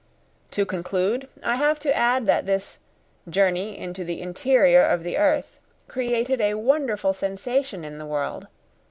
To conclude, I have to add that this 'Journey into the Interior of the Earth' created a wonderful sensation in the world.